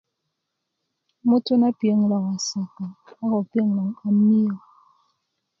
mötö na piyoŋ loŋ wasaka a ko piyoŋ lo 'ba miyö